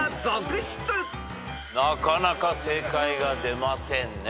なかなか正解が出ませんね。